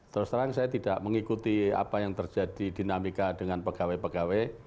terus terang saya tidak mengikuti apa yang terjadi dinamika dengan pegawai pegawai